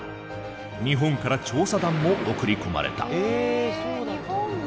日本から調査団も送り込まれた。